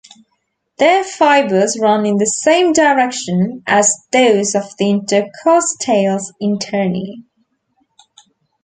Their fibers run in the same direction as those of the Intercostales interni.